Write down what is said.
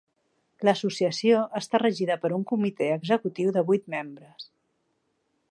L'associació està regida per un comitè executiu de vuit membres.